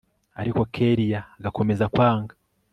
ariko kellia agakomeza kwanga